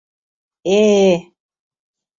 Э-э-э!